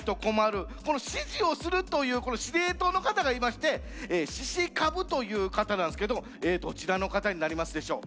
この指示をするという司令塔の方がいまして「獅子頭」という方なんですけどもどちらの方になりますでしょう？